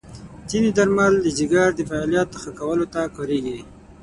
ځینې درمل د جګر د فعالیت ښه کولو ته کارېږي.